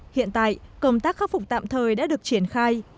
hiện tại công tác khắc phục tạm thời đã được triển khai